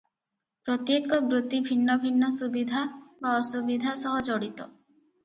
ପ୍ରତ୍ୟେକ ବୃତ୍ତି ଭିନ୍ନ ଭିନ୍ନ ସୁବିଧା ବା ଅସୁବିଧା ସହ ଜଡ଼ିତ ।